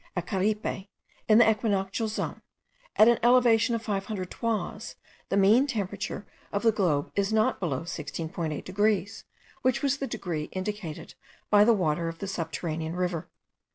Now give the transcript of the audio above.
At Caripe, in the equinoctial zone, at an elevation of 500 toises, the mean temperature of the globe is not below 16.8 degrees, which was the degree indicated by the water of the subterranean river.